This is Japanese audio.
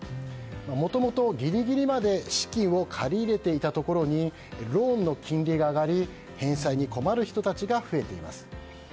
もともとギリギリまで資金を借り入れていたところにローンの金利が上がり返済に困る人たちが増えています。